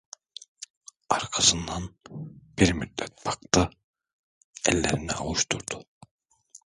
Arkasından bir müddet baktı, ellerini ovuşturdu...